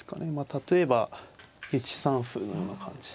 例えば１三歩のような感じですかね。